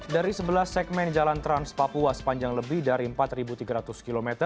dari sebelas segmen jalan trans papua sepanjang lebih dari empat tiga ratus km